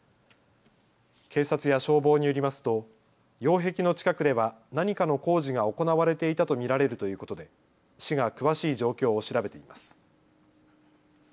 警察や消防によりますと擁壁の近くでは何かの工事が行われていたと見られるということで市が詳しい状況を調べています。